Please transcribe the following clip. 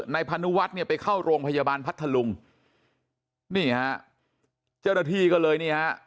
พานุวัฒน์เนี่ยไปเข้าโรงพยาบาลพัทธลุงนี่ฮะเจ้าหน้าที่ก็เลยนี่ฮะ